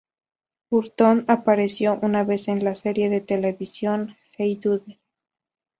Burton apareció una vez en la serie de televisión Hey Dude.